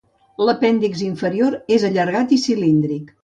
L'apèndix inferior és allargat i cilíndric.